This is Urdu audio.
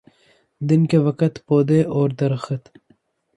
دن کے وقت پودے اور درخت